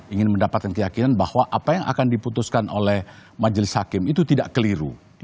ingin mendapatkan keyakinan bahwa apa yang akan diputuskan oleh majelis hakim itu tidak keliru